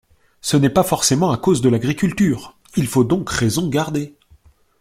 Ce n’est pas forcément à cause de l’agriculture ! Il faut donc raison garder.